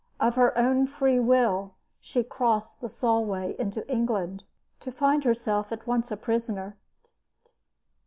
Of her own free will she crossed the Solway into England, to find herself at once a prisoner.